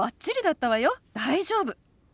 大丈夫。